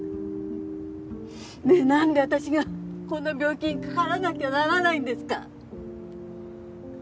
ねえなんで私がこんな病気にかからなきゃならないんですか！？